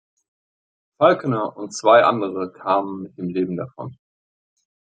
Falconer und zwei andere kamen mit dem Leben davon.